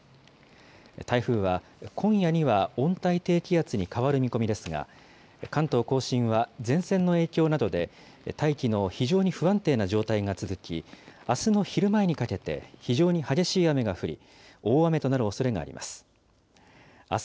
台風は今夜には温帯低気圧に変わる見込みですが、関東甲信は前線の影響などで大気の非常に不安定な状態が続き、あすの昼前にかけて、非常に激しい雨が降り、大雨となるおそれがあります。